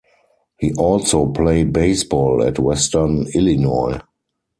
He also played baseball at Western Illinois.